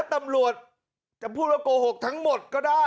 ครับ